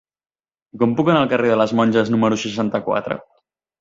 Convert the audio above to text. Com puc anar al carrer de les Monges número seixanta-quatre?